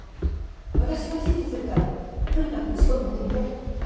私が指示するからとにかく仕込み始めて。